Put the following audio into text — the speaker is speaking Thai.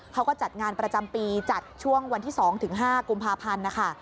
เขาก็จัดงานประจำปีจัดช่วงวันที่๒ถึง๕กุมภาพันธ์นะคะ